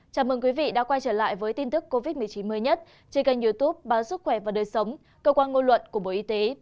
chào mừng quý vị đã quay trở lại với tin tức covid một mươi chín mới nhất trên kênh youtube báo sức khỏe và đời sống cơ quan ngôn luận của bộ y tế